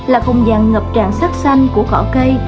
là không gian ngập tràn sắc xanh của cỏ cây